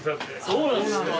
そうなんですか。